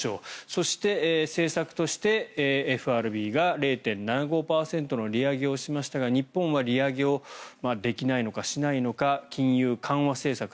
そして政策としてＦＲＢが０．７５％の利上げをしましたが日本は利上げをできないのかしないのか金融緩和政策。